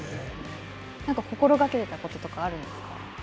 何か心がけてたこととかはあるんですか。